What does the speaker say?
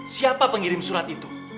siapa pengirim surat itu